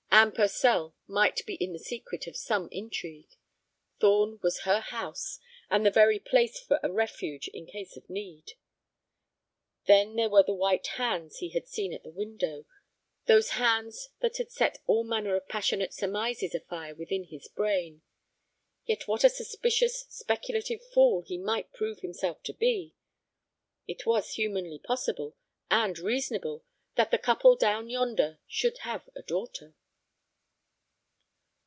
Anne Purcell might be in the secret of some intrigue; Thorn was her house and the very place for a refuge in case of need. Then there were the white hands he had seen at the window, those hands that had set all manner of passionate surmises afire within his brain. Yet what a suspicious, speculative fool he might prove himself to be! It was humanly possible and reasonable that the couple down yonder should have a daughter.